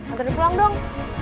atau di pulang dong